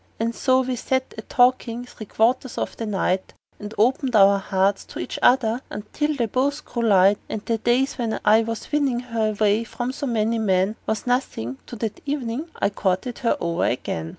And so we sat a talkin' three quarters of the night, And opened our hearts to each other until they both grew light; And the days when I was winnin' her away from so many men Was nothin' to that evenin' I courted her over again.